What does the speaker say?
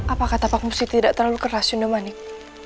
apakah tapak musik tidak terlalu keras sunda manik